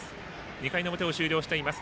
２回の表、終了しています。